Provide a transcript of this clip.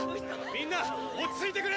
みんな落ち着いてくれ！